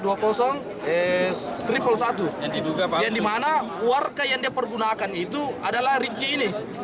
yang dimana warga yang dipergunakan itu adalah rinci ini